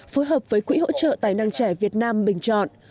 phối hợp với quỹ hỗ trợ tài năng trẻ việt nam bình chọn